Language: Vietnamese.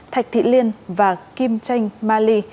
thạch thị liên và kim chanh ma ly